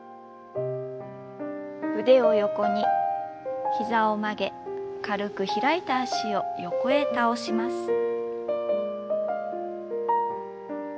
腕を横にひざを曲げ軽く開いた脚を横へ倒します。